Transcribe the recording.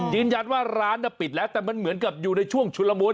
ยืนยันว่าร้านปิดแล้วแต่มันเหมือนกับอยู่ในช่วงชุลมุน